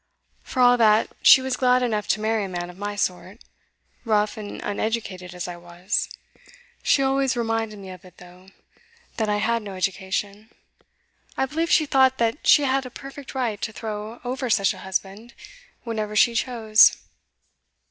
For all that she was glad enough to marry a man of my sort rough and uneducated as I was. She always reminded me of it, though that I had no education; I believe she thought that she had a perfect right to throw over such a husband, whenever she chose.